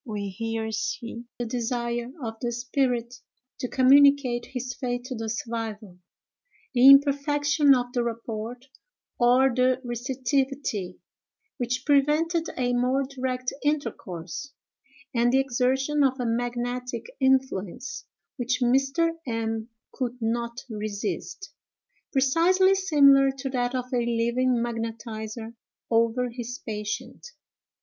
We here see the desire of the spirit to communicate his fate to the survivor; the imperfection of the rapport, or the receptivity, which prevented a more direct intercourse; and the exertion of a magnetic influence, which Mr. M—— could not resist, precisely similar to that of a living magnetizer over his patient.